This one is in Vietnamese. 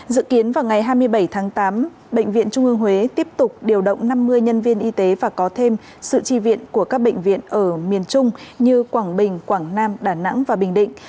dự kiến vào ngày hai mươi bảy tháng tám bệnh viện trung ương huế tiếp tục điều động năm mươi nhân viên y tế và có thêm sự tri viện của các bệnh viện ở miền trung như quảng bình quảng nam đà nẵng và bình định